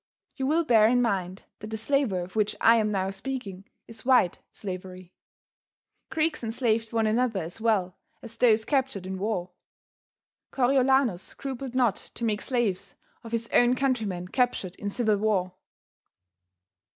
You will bear in mind that the slavery of which I am now speaking is white slavery. Greeks enslaved one another as well as those captured in war. Coriolanus scrupled not to make slaves of his own countrymen captured in civil war.